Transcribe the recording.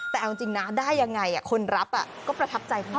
แต่เอาจริงนะได้ยังไงคนรับก็ประทับใจพ่อ